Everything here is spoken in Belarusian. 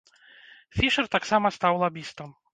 Фішэр таксама стаў лабістам.